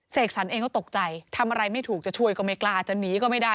เสกสรรเองเขาตกใจทำอะไรไม่ถูกจะช่วยก็ไม่กล้าจะหนีก็ไม่ได้